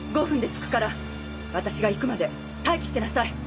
５分で着くから私が行くまで待機してなさい！！